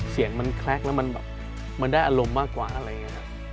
เสียงมันแคล็กแล้วมันแบบมันได้อารมณ์มากกว่าอะไรอย่างนี้ครับ